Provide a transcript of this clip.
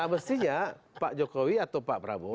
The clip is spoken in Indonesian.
mestinya pak jokowi atau pak prabowo